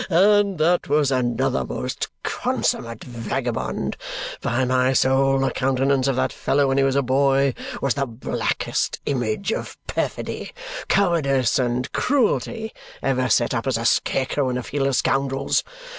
Ha, ha, ha! And that was another most consummate vagabond! By my soul, the countenance of that fellow when he was a boy was the blackest image of perfidy, cowardice, and cruelty ever set up as a scarecrow in a field of scoundrels.